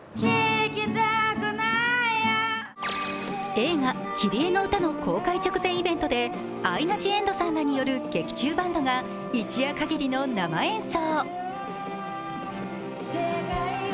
映画「キリエのうた」の公開直前イベントでアイナ・ジ・エンドさんらによる劇中バンドが一夜限りの生演奏。